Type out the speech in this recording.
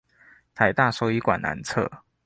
臺大獸醫館南側